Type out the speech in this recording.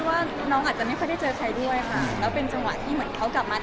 ว่าน้องอาจจะไม่ค่อยได้เจอใครด้วยค่ะแล้วเป็นจังหวะที่เหมือนเขากลับมา